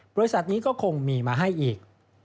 บริษัทนี้ก็คงมีมาให้อีก